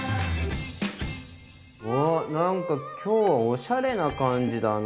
おなんか今日はおしゃれな感じだな。